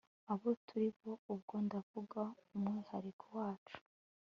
abo turi bo, ubwo ndavuga umwihariko wacu